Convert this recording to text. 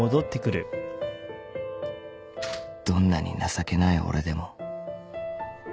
［どんなに情けない俺でも］